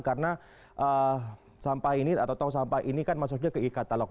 karena sampah ini atau tong sampah ini kan masuknya ke e katalog